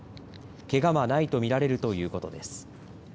けがはないと見られるということです。